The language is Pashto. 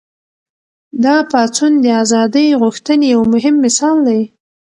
دا پاڅون د ازادۍ غوښتنې یو مهم مثال دی.